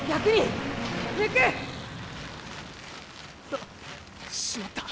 あ！しまった！